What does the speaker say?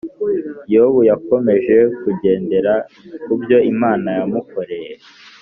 yobu yakomeje kugendera kubyo imana ya mukoreye